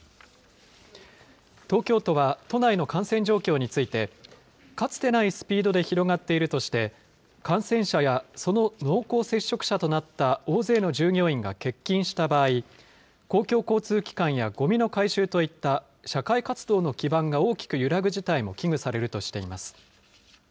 東京都は都内の感染状況について、かつてないスピードで広がっているとして、感染者やその濃厚接触者となった大勢の従業員が欠勤した場合、公共交通機関やごみの回収といった社会活動の基盤が大きく揺らぐ事態も危惧されるとしています。